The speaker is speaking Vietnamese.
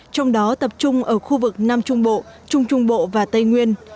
trong đó tập trung ở khu vực nam trung bộ trung trung bộ và tây nguyên